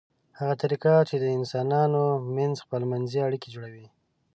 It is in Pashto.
هغه طریقه چې د انسانانو ترمنځ خپلمنځي اړیکې جوړوي